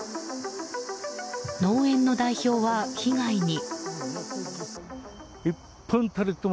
農園の代表は被害に。